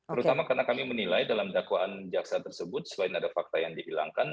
terutama karena kami menilai dalam dakwaan jaksa tersebut selain ada fakta yang dihilangkan